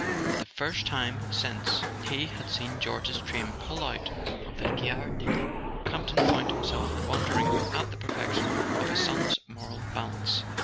For the first time since he had seen George's train pull out of the Gare de l'Est Campton found himself won¬ dering at the perfection of his son's moral balance.